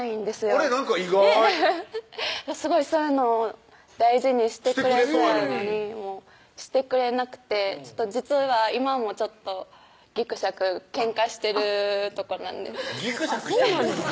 あれっなんか意外すごいそういうのを大事にしてくれそうやのにしてくれなくて実は今もちょっとぎくしゃくけんかしてるとこなんですぎくしゃくしてるんですか？